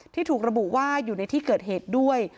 ถูกระบุว่าอยู่ในที่เกิดเหตุด้วย